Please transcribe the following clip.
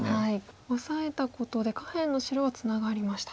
オサえたことで下辺の白はツナがりました。